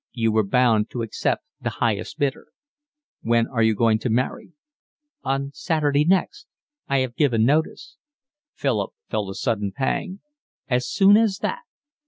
"You were bound to accept the highest bidder. When are you going to marry?" "On Saturday next. I have given notice." Philip felt a sudden pang. "As soon as that?"